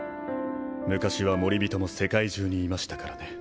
昔はモリビトも世界中にいましたからね。